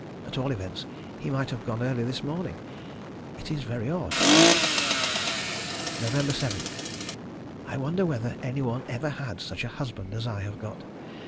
At all events he might have gone early this morning. It is very odd.... Nov. 7. I wonder whether any one ever had such a husband as I have got.